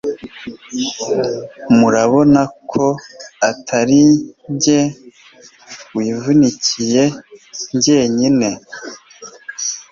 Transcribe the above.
murabona ko atari jye wivunikiye jyenyine